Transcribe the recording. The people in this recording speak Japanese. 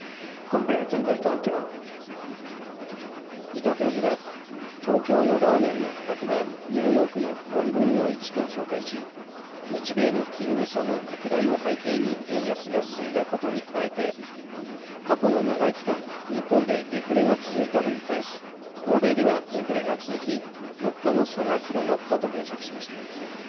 伊藤教授は東京のラーメンの価格はニューヨークの４分の１と紹介し、日米の金利差の拡大を背景に円安が進んだことに加えて過去の長い期間、日本でデフレが続いたのに対し欧米ではインフレが続き、物価の差が広がったと分析しました。